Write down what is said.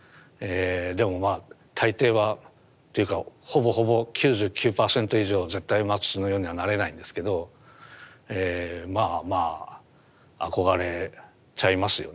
でもまあ大抵はというかほぼほぼ９９％以上絶対マティスのようにはなれないんですけどまあまあ憧れちゃいますよね。